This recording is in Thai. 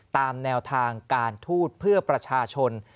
ตามแนวทางการทูตเพื่อประชาชน